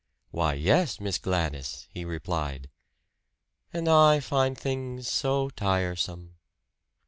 "Why, yes, Miss Gladys," he replied. "And I find things so tiresome."